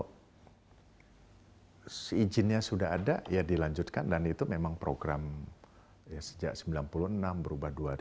kalau izinnya sudah ada ya dilanjutkan dan itu memang program ya sejak seribu sembilan ratus sembilan puluh enam berubah dua ribu